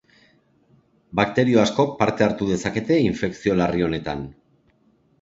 Bakterio askok parte hartu dezakete infekzio larri honetan.